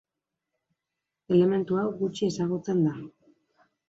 Elementu hau gutxi ezagutzen da.